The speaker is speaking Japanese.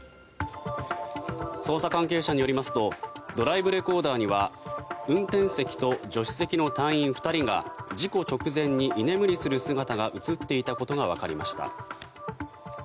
捜査関係者によりますとドライブレコーダーには運転席と助手席の隊員２人が事故直前に居眠りする姿が映っていたことがわかりました。